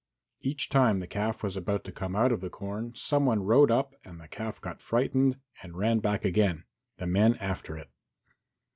Each time the calf was about to come out of the corn some one rode up and the calf got frightened and ran back again, the men after it.